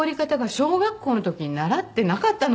「小学校の時に習ってなかったの？」